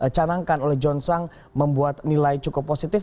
dan ini juga diperlukan oleh john tsang membuat nilai cukup positif